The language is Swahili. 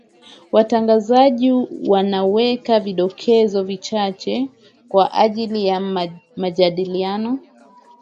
watangazaji wanaweka vidokezo vichache kwa ajili ya majadiliano